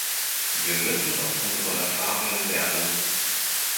Wir müssen aus unseren Erfahrungen lernen!